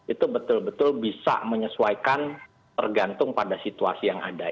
itu betul betul bisa menyesuaikan tergantung pada situasi yang ada